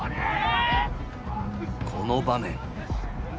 この場面。